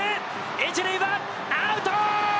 １塁はアウト！